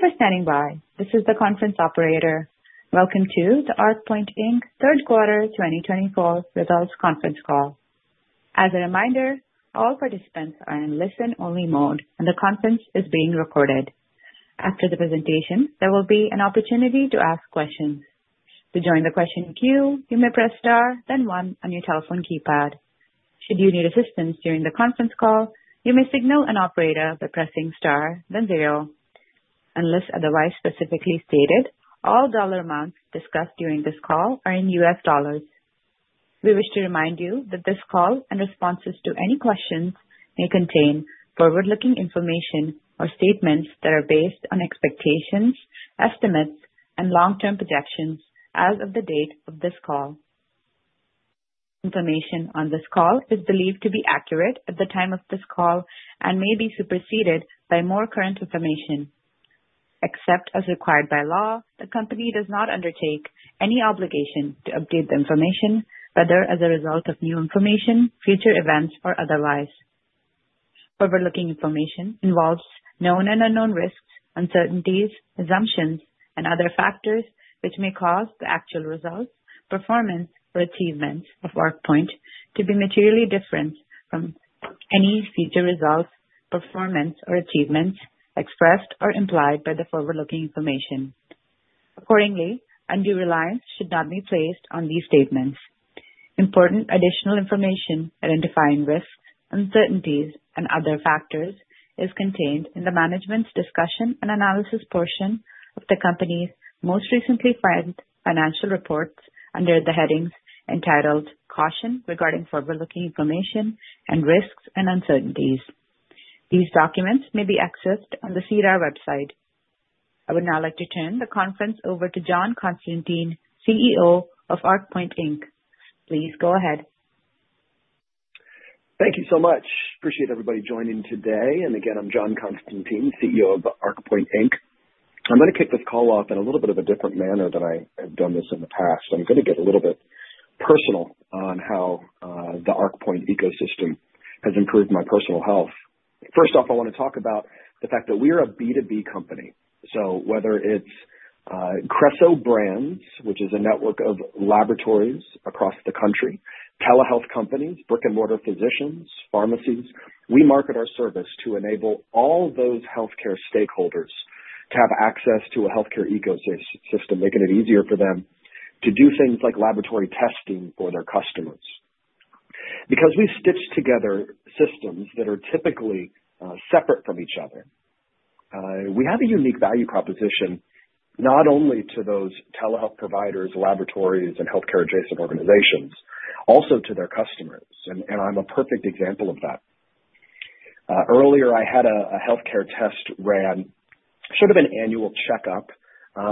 Thank you for standing by. This is the conference operator. Welcome to the ARCpoint third quarter 2024 results conference call. As a reminder, all participants are in listen-only mode, and the conference is being recorded. After the presentation, there will be an opportunity to ask questions. To join the question queue, you may press star, then one on your telephone keypad. Should you need assistance during the conference call, you may signal an operator by pressing star, then zero. Unless otherwise specifically stated, all dollar amounts discussed during this call are in U.S. dollars. We wish to remind you that this call and responses to any questions may contain forward-looking information or statements that are based on expectations, estimates, and long-term projections as of the date of this call. Information on this call is believed to be accurate at the time of this call and may be superseded by more current information. Except as required by law, the company does not undertake any obligation to update the information, whether as a result of new information, future events, or otherwise. Forward-looking information involves known and unknown risks, uncertainties, assumptions, and other factors which may cause the actual results, performance, or achievements of ARCpoint to be materially different from any future results, performance, or achievements expressed or implied by the forward-looking information. Accordingly, undue reliance should not be placed on these statements. Important additional information identifying risks, uncertainties, and other factors is contained in the management's discussion and analysis portion of the company's most recently filed financial reports under the headings entitled "Caution Regarding Forward-Looking Information," and "Risks and Uncertainties." These documents may be accessed on the SEDAR website. I would now like to turn the conference over to John Constantine, CEO of ARCpoint Inc. Please go ahead. Thank you so much. Appreciate everybody joining today. And again, I'm John Constantine, CEO of ARCpoint Inc. I'm going to kick this call off in a little bit of a different manner than I have done this in the past. I'm going to get a little bit personal on how the ARCpoint ecosystem has improved my personal health. First off, I want to talk about the fact that we are a B2B company. So whether it's Obrascio Brands, which is a network of laboratories across the country, telehealth companies, brick-and-mortar physicians, pharmacies, we market our service to enable all those healthcare stakeholders to have access to a healthcare ecosystem, making it easier for them to do things like laboratory testing for their customers. Because we stitch together systems that are typically separate from each other, we have a unique value proposition not only to those telehealth providers, laboratories, and healthcare-adjacent organizations, also to their customers. And I'm a perfect example of that. Earlier, I had a healthcare test ran, sort of an annual checkup.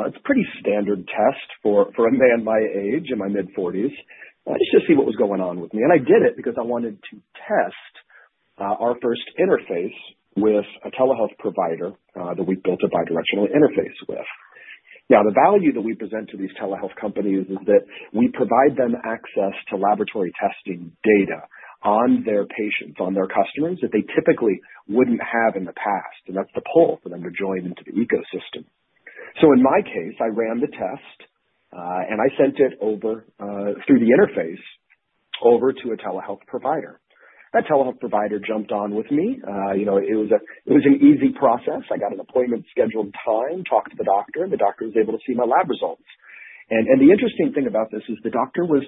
It's a pretty standard test for a man my age, in my mid-40s, just to see what was going on with me. And I did it because I wanted to test our first interface with a telehealth provider that we built a bidirectional interface with. Now, the value that we present to these telehealth companies is that we provide them access to laboratory testing data on their patients, on their customers that they typically wouldn't have in the past. And that's the pull for them to join into the ecosystem. So in my case, I ran the test, and I sent it through the interface over to a telehealth provider. That telehealth provider jumped on with me. It was an easy process. I got an appointment scheduled time, talked to the doctor, and the doctor was able to see my lab results. And the interesting thing about this is the doctor was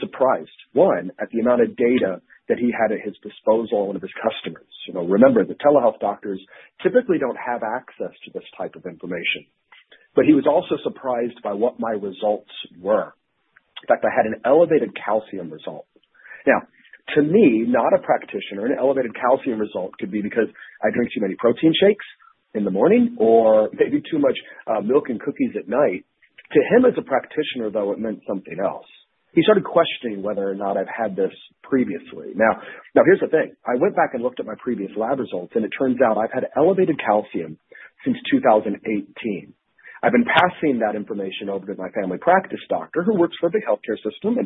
surprised, one, at the amount of data that he had at his disposal and of his customers. Remember, the telehealth doctors typically don't have access to this type of information. But he was also surprised by what my results were. In fact, I had an elevated calcium result. Now, to me, not a practitioner, an elevated calcium result could be because I drink too many protein shakes in the morning or maybe too much milk and cookies at night. To him as a practitioner, though, it meant something else. He started questioning whether or not I've had this previously. Now, here's the thing. I went back and looked at my previous lab results, and it turns out I've had elevated calcium since 2018. I've been passing that information over to my family practice doctor, who works for the healthcare system,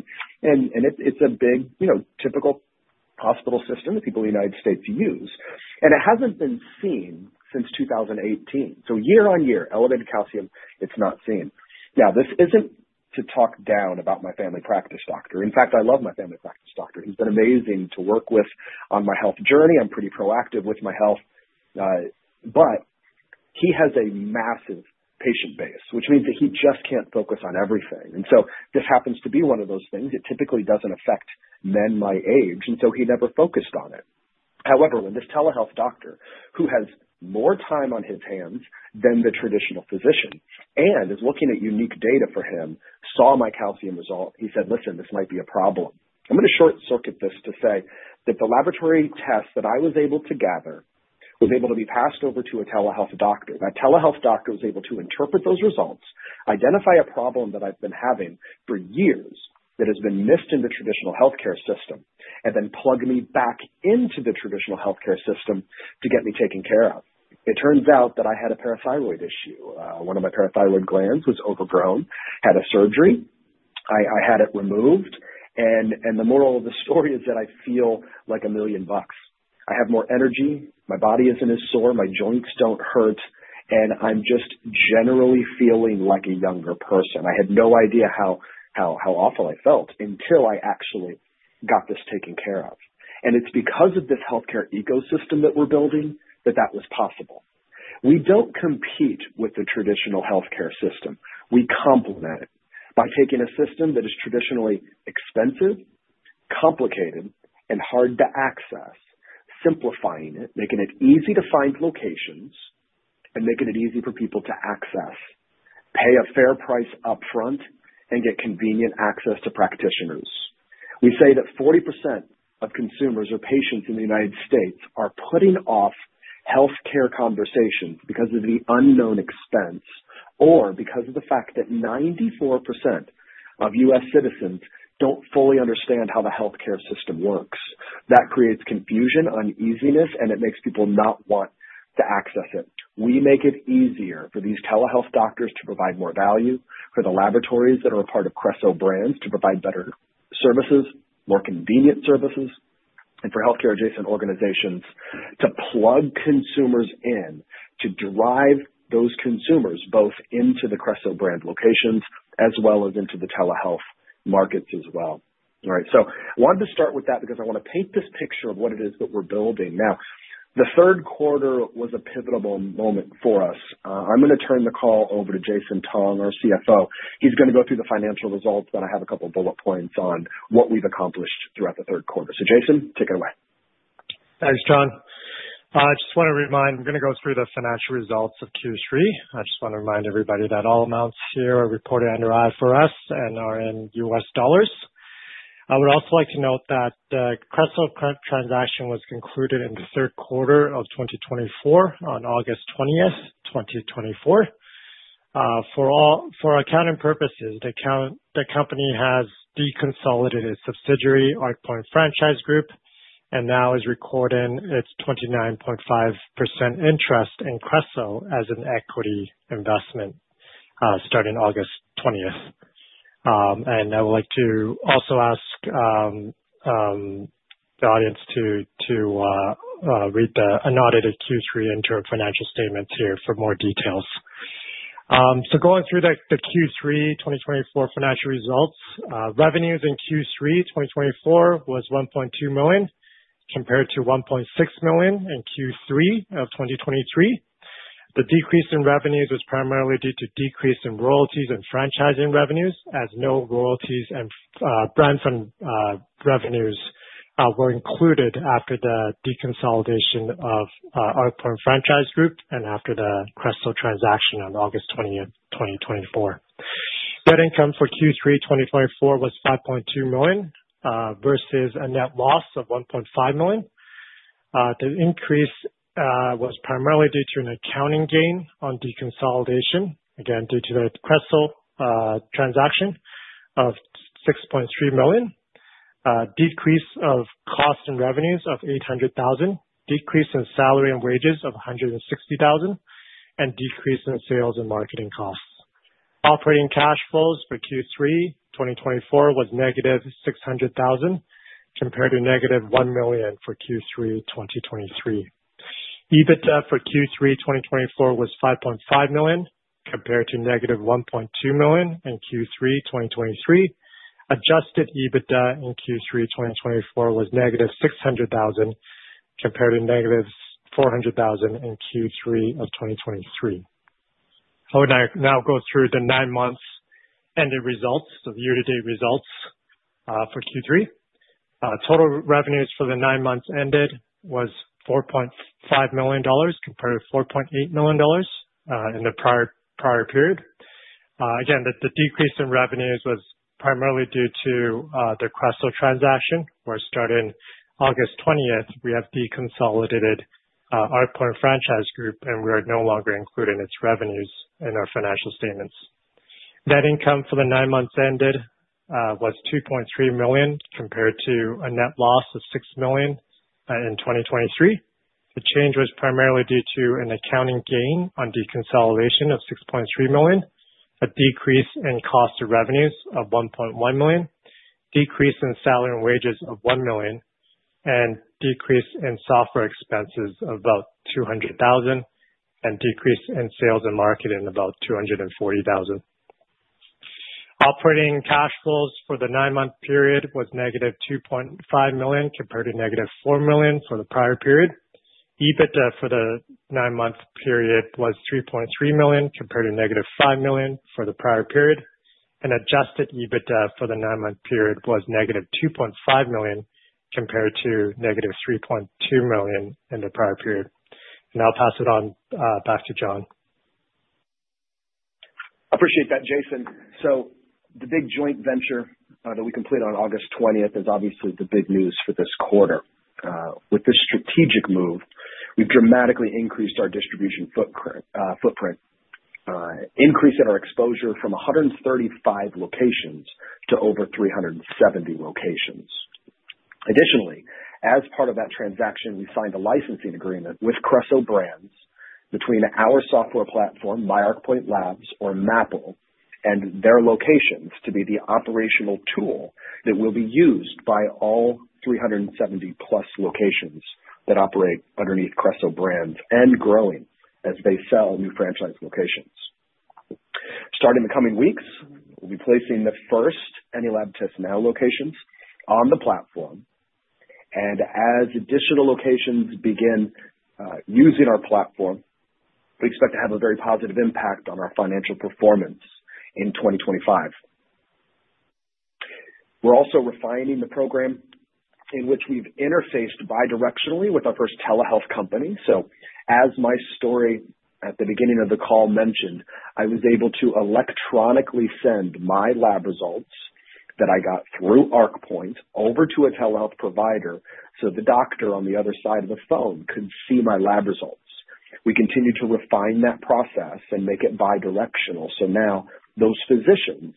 and it's a big, typical hospital system that people in the United States use, and it hasn't been seen since 2018, so year on year, elevated calcium, it's not seen. Now, this isn't to talk down about my family practice doctor. In fact, I love my family practice doctor. He's been amazing to work with on my health journey. I'm pretty proactive with my health, but he has a massive patient base, which means that he just can't focus on everything. And so this happens to be one of those things. It typically doesn't affect men my age. And so he never focused on it. However, when this telehealth doctor, who has more time on his hands than the traditional physician and is looking at unique data for him, saw my calcium result, he said, "Listen, this might be a problem." I'm going to short-circuit this to say that the laboratory test that I was able to gather was able to be passed over to a telehealth doctor. That telehealth doctor was able to interpret those results, identify a problem that I've been having for years that has been missed in the traditional healthcare system, and then plug me back into the traditional healthcare system to get me taken care of. It turns out that I had a parathyroid issue. One of my parathyroid glands was overgrown, had a surgery. I had it removed, and the moral of the story is that I feel like a million bucks. I have more energy. My body isn't as sore. My joints don't hurt, and I'm just generally feeling like a younger person. I had no idea how awful I felt until I actually got this taken care of, and it's because of this healthcare ecosystem that we're building that that was possible. We don't compete with the traditional healthcare system. We complement it by taking a system that is traditionally expensive, complicated, and hard to access, simplifying it, making it easy to find locations, and making it easy for people to access, pay a fair price upfront, and get convenient access to practitioners. We say that 40% of consumers or patients in the United States are putting off healthcare conversations because of the unknown expense or because of the fact that 94% of U.S. citizens don't fully understand how the healthcare system works. That creates confusion, uneasiness, and it makes people not want to access it. We make it easier for these telehealth doctors to provide more value, for the laboratories that are a part of Obrascio Brands to provide better services, more convenient services, and for healthcare-adjacent organizations to plug consumers in to drive those consumers both into the Creso Brands locations as well as into the telehealth markets as well. All right. So I wanted to start with that because I want to paint this picture of what it is that we're building. Now, the third quarter was a pivotal moment for us. I'm going to turn the call over to Jason Tong, our CFO. He's going to go through the financial results that I have a couple of bullet points on what we've accomplished throughout the third quarter, so Jason, take it away. Thanks, John. I just want to remind, we're going to go through the financial results of Q3. I just want to remind everybody that all amounts here are reported under IFRS and are in US dollars. I would also like to note that the Creso transaction was concluded in the third quarter of 2024 on August 20th, 2024. For accounting purposes, the company has deconsolidated its subsidiary, ARCpoint Franchise Group, and now is recording its 29.5% interest in Creso as an equity investment starting August 20th. And I would like to also ask the audience to read the annotated Q3 interim financial statements here for more details. So going through the Q3 2024 financial results, revenues in Q3 2024 was $1.2 million compared to $1.6 million in Q3 of 2023. The decrease in revenues was primarily due to a decrease in royalties and franchising revenues, as no royalties and brand fund revenues were included after the deconsolidation of ARCpoint Franchise Group and after the Creso transaction on August 20th, 2024. Net income for Q3 2024 was $5.2 million versus a net loss of $1.5 million. The increase was primarily due to an accounting gain on deconsolidation, again, due to the Creso transaction of $6.3 million, a decrease of cost and revenues of $800,000, a decrease in salary and wages of $160,000, and a decrease in sales and marketing costs. Operating cash flows for Q3 2024 was negative $600,000 compared to negative $1 million for Q3 2023. EBITDA for Q3 2024 was $5.5 million compared to negative $1.2 million in Q3 2023. Adjusted EBITDA in Q3 2024 was negative $600,000 compared to negative $400,000 in Q3 of 2023. I would now go through the nine-month-ended results, so the year-to-date results for Q3. Total revenues for the nine months ended was $4.5 million compared to $4.8 million in the prior period. Again, the decrease in revenues was primarily due to the Creso transaction, where starting August 20th, we have deconsolidated ARCpoint Franchise Group, and we are no longer including its revenues in our financial statements. Net income for the nine months ended was $2.3 million compared to a net loss of $6 million in 2023. The change was primarily due to an accounting gain on deconsolidation of $6.3 million, a decrease in cost of revenues of $1.1 million, a decrease in salary and wages of $1 million, and a decrease in software expenses of about $200,000, and a decrease in sales and marketing of about $240,000. Operating cash flows for the nine-month period was -$2.5 million compared to -$4 million for the prior period. EBITDA for the nine-month period was $3.3 million compared to -$5 million for the prior period. And adjusted EBITDA for the nine-month period was -$2.5 million compared to -$3.2 million in the prior period. And I'll pass it on back to John. I appreciate that, Jason. So the big joint venture that we completed on August 20th is obviously the big news for this quarter. With this strategic move, we've dramatically increased our distribution footprint, increased our exposure from 135 locations to over 370 locations. Additionally, as part of that transaction, we signed a licensing agreement with Creso Brands between our software platform, myARCpoint Labs, or MAPL, and their locations to be the operational tool that will be used by all 370-plus locations that operate underneath Creso Brands and growing as they sell new franchise locations. In the coming weeks, we'll be placing the first Any Lab Test Now locations on the platform. And as additional locations begin using our platform, we expect to have a very positive impact on our financial performance in 2025. We're also refining the program in which we've interfaced bidirectionally with our first telehealth company. So as my story at the beginning of the call mentioned, I was able to electronically send my lab results that I got through ARCpoint over to a telehealth provider so the doctor on the other side of the phone could see my lab results. We continue to refine that process and make it bidirectional. So now those physicians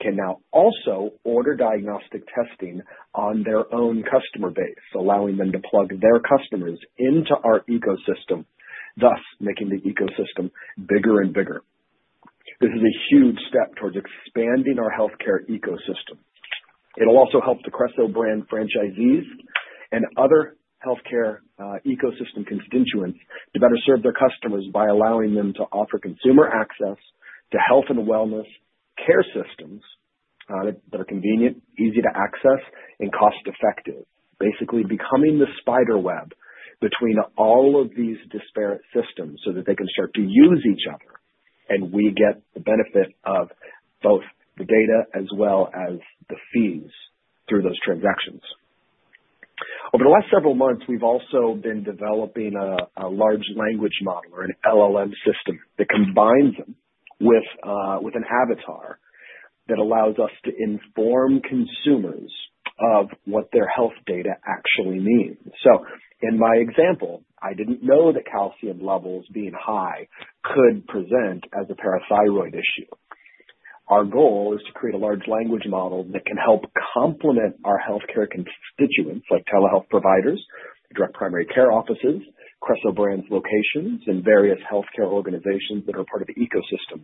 can now also order diagnostic testing on their own customer base, allowing them to plug their customers into our ecosystem, thus making the ecosystem bigger and bigger. This is a huge step towards expanding our healthcare ecosystem. It'll also help the Creso Brands franchisees and other healthcare ecosystem constituents to better serve their customers by allowing them to offer consumer access to health and wellness care systems that are convenient, easy to access, and cost-effective, basically becoming the spider web between all of these disparate systems so that they can start to use each other, and we get the benefit of both the data as well as the fees through those transactions. Over the last several months, we've also been developing a large language model or an LLM system that combines them with an avatar that allows us to inform consumers of what their health data actually means, so in my example, I didn't know that calcium levels being high could present as a parathyroid issue. Our goal is to create a large language model that can help complement our healthcare constituents like telehealth providers, direct primary care offices, Creso Brands locations, and various healthcare organizations that are part of the ecosystem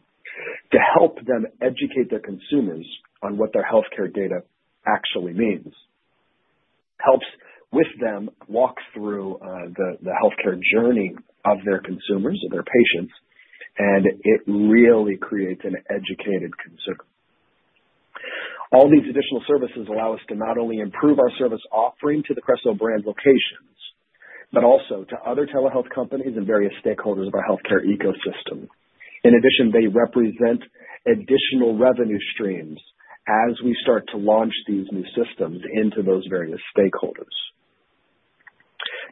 to help them educate their consumers on what their healthcare data actually means. It helps with them walk through the healthcare journey of their consumers or their patients, and it really creates an educated consumer. All these additional services allow us to not only improve our service offering to the Creso Brands locations, but also to other telehealth companies and various stakeholders of our healthcare ecosystem. In addition, they represent additional revenue streams as we start to launch these new systems into those various stakeholders.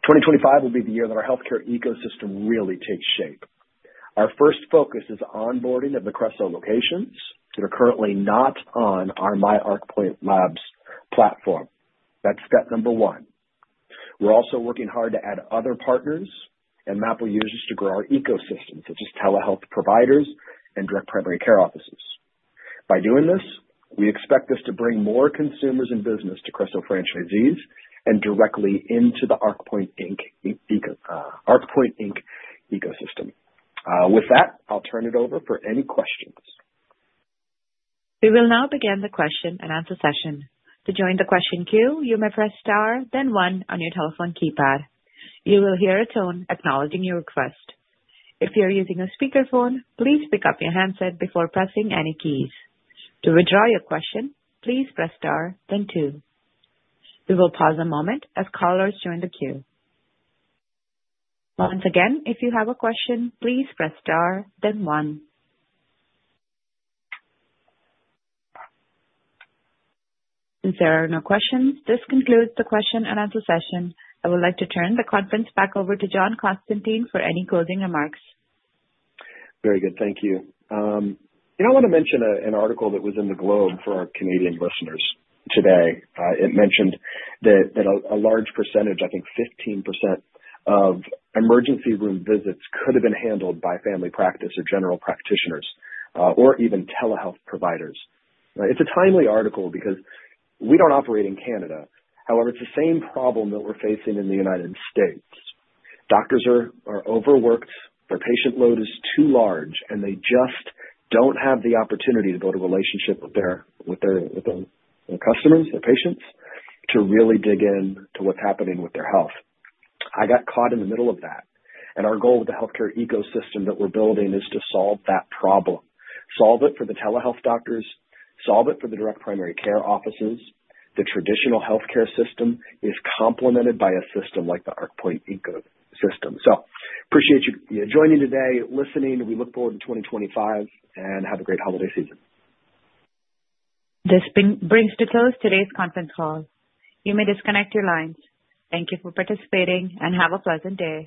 2025 will be the year that our healthcare ecosystem really takes shape. Our first focus is onboarding of the Creso locations that are currently not on our myARCpoint Labs platform. That's step number one. We're also working hard to add other partners and MAPL users to grow our ecosystem, such as telehealth providers and direct primary care offices. By doing this, we expect this to bring more consumers and business to Creso franchisees and directly into the ARCpoint Inc. ecosystem. With that, I'll turn it over for any questions. We will now begin the question and answer session. To join the question queue, you may press star, then one on your telephone keypad. You will hear a tone acknowledging your request. If you're using a speakerphone, please pick up your handset before pressing any keys. To withdraw your question, please press star, then two. We will pause a moment as callers join the queue. Once again, if you have a question, please press star, then one. Since there are no questions, this concludes the question and answer session. I would like to turn the conference back over to John Constantine for any closing remarks. Very good. Thank you. I want to mention an article that was in The Globe for our Canadian listeners today. It mentioned that a large percentage, I think 15%, of emergency room visits could have been handled by family practice or general practitioners or even telehealth providers. It's a timely article because we don't operate in Canada. However, it's the same problem that we're facing in the United States. Doctors are overworked. Their patient load is too large, and they just don't have the opportunity to build a relationship with their customers, their patients, to really dig into what's happening with their health. I got caught in the middle of that, and our goal with the healthcare ecosystem that we're building is to solve that problem, solve it for the telehealth doctors, solve it for the direct primary care offices. The traditional healthcare system is complemented by a system like the ARCpoint Ecosystem, so I appreciate you joining today, listening. We look forward to 2025 and have a great holiday season. This brings to a close today's conference call. You may disconnect your lines. Thank you for participating and have a pleasant day.